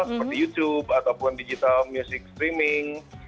seperti youtube ataupun digital music streaming